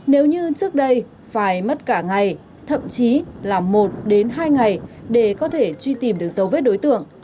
nếu như trước đây phải mất cả ngày thậm chí là một đến hai ngày để có thể truy tìm được dấu vết đối tượng